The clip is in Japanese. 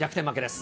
す。